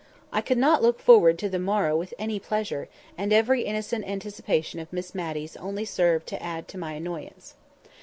I could not look forward to the morrow with any pleasure; and every innocent anticipation of Miss Matty's only served to add to my annoyance.